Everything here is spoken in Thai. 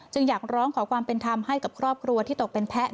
อยากร้องขอความเป็นธรรมให้กับครอบครัวที่ตกเป็นแพ้